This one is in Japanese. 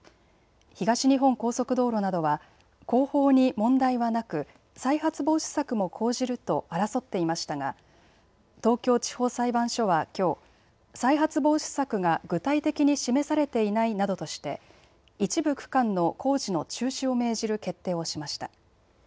東日本高速道路などは工法に問題はなく再発防止策も講じると争っていましたが、東京地方裁判所はきょう、再発防止策が具体的に示されていないなどとして一部区間の工事の中止を命じる決定をしました。